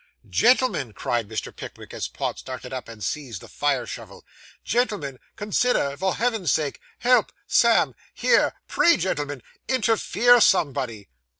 'Gentlemen,' cried Mr. Pickwick, as Pott started up and seized the fire shovel 'gentlemen! Consider, for Heaven's sake help Sam here pray, gentlemen interfere, somebody.